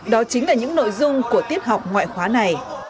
đó chính là những nội dung của tiết học ngoại khóa này